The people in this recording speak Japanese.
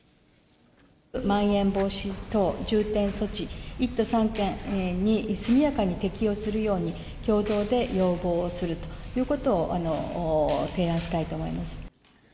まん延防止等重点措置、１都３県に速やかに適用するように、共同で要望をするということを提案したいと思います。